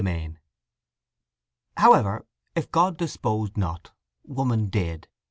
II However, if God disposed not, woman did.